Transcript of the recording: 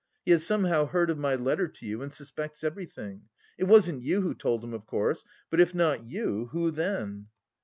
He has somehow heard of my letter to you and suspects something. It wasn't you who told him, of course, but if not you, who then?"